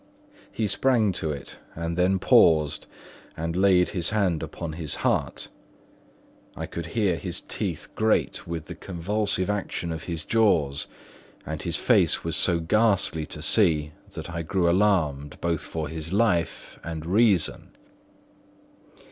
He sprang to it, and then paused, and laid his hand upon his heart; I could hear his teeth grate with the convulsive action of his jaws; and his face was so ghastly to see that I grew alarmed both for his life and reason.